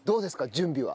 準備は。